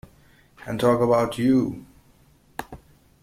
And talk about you?